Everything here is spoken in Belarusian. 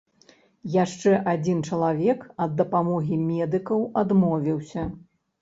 Яшчэ адзін чалавек ад дапамогі медыкаў адмовіўся.